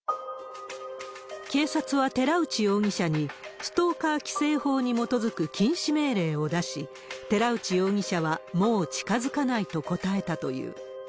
警察は寺内容疑者に、ストーカー規制法に基づく禁止命令を出し、寺内容疑者はもう近づかないと答えたという。